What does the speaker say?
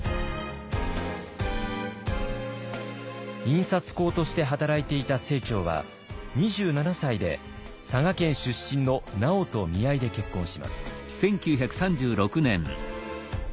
印刷工として働いていた清張は２７歳で佐賀県出身のナヲと見合いで結婚します。